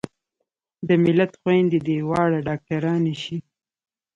د ملت خويندې دې واړه ډاکترانې شي